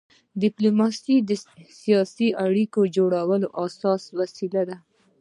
ډيپلوماسي د سیاسي اړیکو جوړولو اساسي وسیله ده.